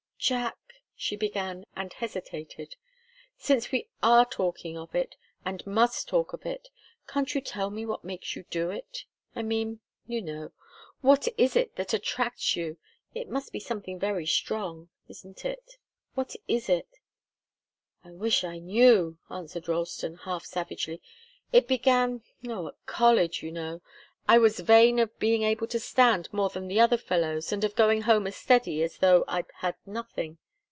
"Jack " she began, and hesitated. "Since we are talking of it, and must talk of it can't you tell me what makes you do it I mean you know! What is it that attracts you? It must be something very strong isn't it? What is it?" "I wish I knew!" answered Ralston, half savagely. "It began oh, at college, you know. I was vain of being able to stand more than the other fellows and of going home as steady as though I'd had nothing."